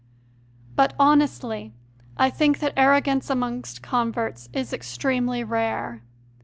But, honestly, I think that arrogance amongst converts is extremely rare.